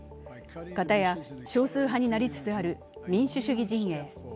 かたや少数派になりつつある民主主義陣営。